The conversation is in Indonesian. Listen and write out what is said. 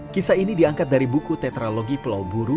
kisah ini diangkat dari buku tetralogi pulau buru